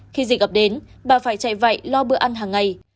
khi dịch gặp đến bà phải chạy vậy lo bữa ăn hàng ngày